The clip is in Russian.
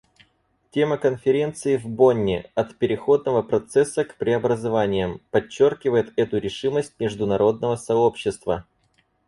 Тема Конференции в Бонне «От переходного процесса к преобразованиям» подчеркивает эту решимость международного сообщества.